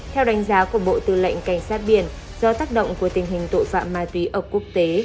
theo đánh giá của bộ tư lệnh cảnh sát biển do tác động của tình hình tội phạm ma túy ở quốc tế